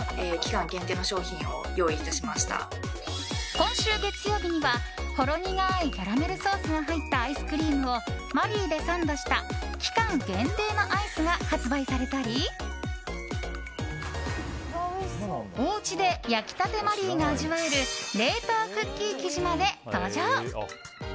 今週月曜日には、ほろ苦いキャラメルソースが入ったアイスクリームをマリーでサンドした期間限定のアイスが発売されたりおうちで焼きたてマリーが味わえる冷凍クッキー生地まで登場。